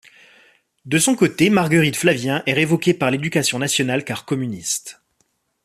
De son côté, Marguerite Flavien est révoquée de l'éducation nationale car communiste.